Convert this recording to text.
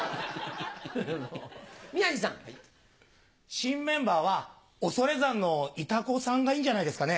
新メンバーは恐山のイタコさんがいいんじゃないですかね？